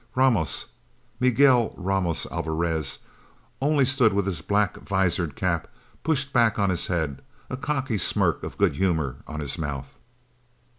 Ramos Miguel Ramos Alvarez only stood with his black visored cap pushed back on his head, and a cocky smirk of good humor on his mouth.